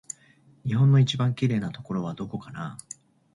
日本の一番きれいなところはどこかな